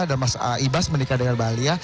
dan mas ibas menikah dengan mbak alia